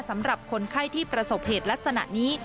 สำหรับคนไข้ที่ประสบเหตุลักษณะนี้